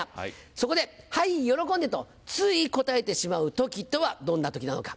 そこで「はい喜んで！」とつい答えてしまう時とはどんな時なのか。